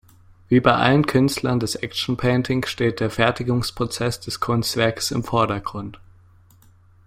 Wie bei allen Künstlern des Action Painting steht der Fertigungsprozess des Kunstwerkes im Vordergrund.